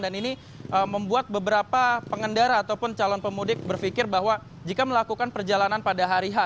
dan ini membuat beberapa pengendara ataupun calon pemudik berpikir bahwa jika melakukan perjalanan pada hari h